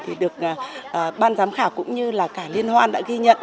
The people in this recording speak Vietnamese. thì được ban giám khảo cũng như là cả liên hoan đã ghi nhận